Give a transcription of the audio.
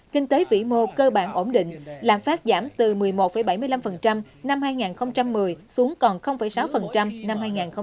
kinh tế vĩ mô cơ bản ổn định lạm phát giảm từ một mươi một bảy mươi năm năm hai nghìn một mươi xuống còn sáu năm hai nghìn một mươi bảy